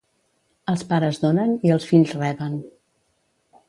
Els pares donen i els fills reben.